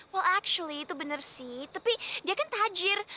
well actually itu bener sih tapi dia kan tajir